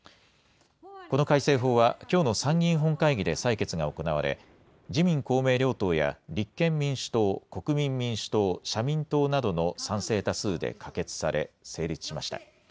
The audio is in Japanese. この改正法は、きょうの参議院本会議で採決が行われ、自民、公明両党や、立憲民主党、国民民主党、社民党などの賛成多数で可決され、成立しました。